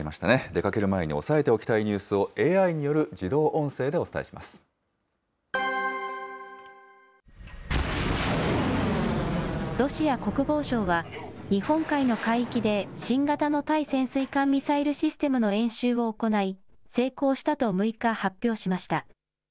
出かける前に押さえておきたいニュースを、ＡＩによる自動音声でロシア国防省は、日本海の海域で新型の対潜水艦ミサイルシステムの演習を行い、成功したと６日、発表しました。